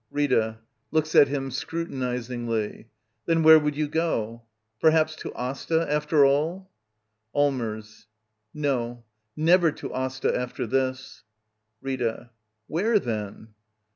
RXTA. [Looks at him scrutinizingly.] Then where would you go? Perhaps to Asta, after all? Allmers. No. Never to Asta after this. Rita. Where, then?